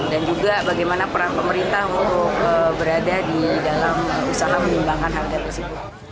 dan juga bagaimana peran pemerintah untuk berada di dalam usaha mengembangkan harga tersebut